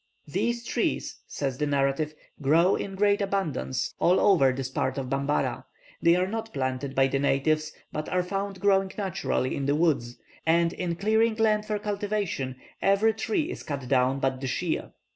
"These trees," says the narrative, "grow in great abundance all over this part of Bambara. They are not planted by the natives, but are found growing naturally in the woods; and, in clearing land for cultivation, every tree is cut down but the shea.